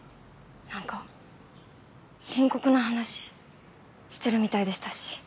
なんか深刻な話してるみたいでしたし。